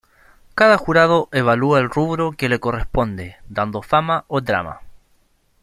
Cada jurado evalúa el rubro que le corresponde dando Fama o Drama.